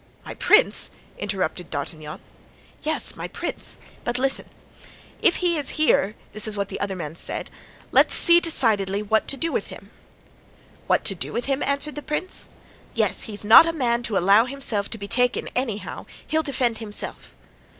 '" "My prince!" interrupted D'Artagnan. "Yes, 'my prince;' but listen. 'If he is here'—this is what the other man said—'let's see decidedly what to do with him.' "'What to do with him?' answered the prince. "'Yes, he's not a man to allow himself to be taken anyhow; he'll defend himself.